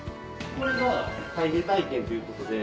これが櫂入れ体験ということで。